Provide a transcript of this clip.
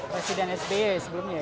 presiden sbe sebelumnya